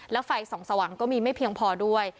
แล้วไฟส่องสว่างก็มีไม่เพียงพอด้วย